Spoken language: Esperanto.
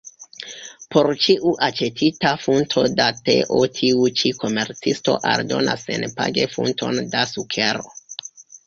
Por ĉiu aĉetita funto da teo tiu ĉi komercisto aldonas senpage funton da sukero.